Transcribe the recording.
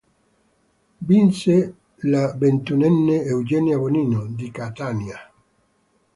Vinse la ventunenne Eugenia Bonino, di Catania.